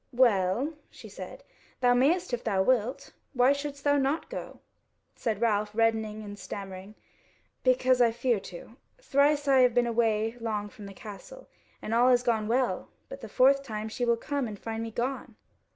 "Well," she said, "thou mayest if thou wilt; why shouldst thou not go?" Said Ralph, reddening and stammering: "Because I fear to; thrice have I been away long from the castle and all has gone well; but the fourth time she will come and find me gone."